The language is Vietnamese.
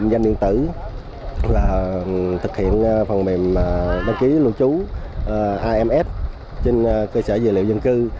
dành điện tử thực hiện phần mềm đăng ký lưu trú ams trên cơ sở dự liệu dân cư